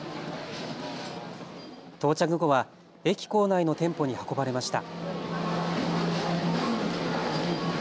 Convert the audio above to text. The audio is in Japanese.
到着後は駅構内の店舗に運ばれました。